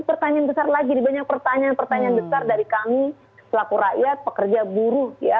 pertanyaan besar lagi nih banyak pertanyaan pertanyaan besar dari kami selaku rakyat pekerja buruh ya